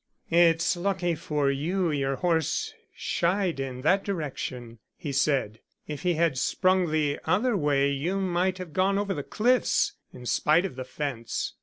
"It's lucky for you your horse shied in that direction," he said. "If he had sprung the other way you might have gone over the cliffs, in spite of the fence.